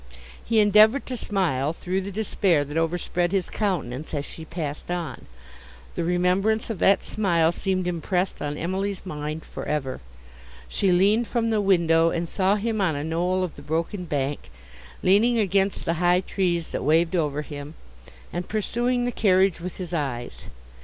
He endeavoured to smile through the despair that overspread his countenance as she passed on. The remembrance of that smile seemed impressed on Emily's mind for ever. She leaned from the window, and saw him on a knoll of the broken bank, leaning against the high trees that waved over him, and pursuing the carriage with his eyes.